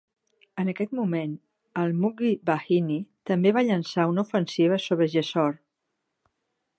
En aquest moment, el Mukti Bahini també va llançar una ofensiva sobre Jessore.